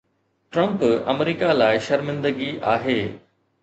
Trump America لاءِ شرمندگي آهي